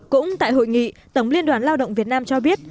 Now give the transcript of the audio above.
cũng tại hội nghị tổng liên đoàn lao động việt nam cho biết